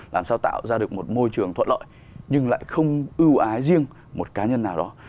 làm sao tạo ra được một môi trường thuận lợi nhưng lại không ưu ái riêng một cá nhân nào đó